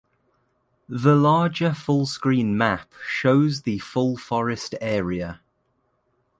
The larger full screen map shows the full forest area.